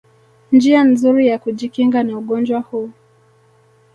njia nzuri ya kujikinga na ugonjwa huu